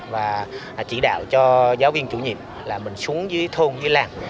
và chỉ đạo cho giáo viên chủ nhiệm là mình xuống dưới thôn dưới làng